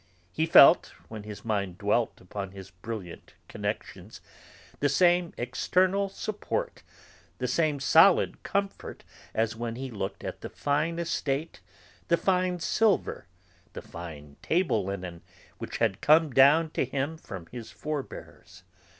He felt, when his mind dwelt upon his brilliant connections, the same external support, the same solid comfort as when he looked at the fine estate, the fine silver, the fine table linen which had come down to him from his forebears.